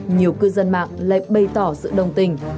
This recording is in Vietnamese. nhiều cư dân mạng lại bày tỏ sự đồng tình